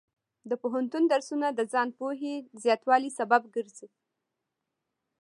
د پوهنتون درسونه د ځان پوهې زیاتوالي سبب ګرځي.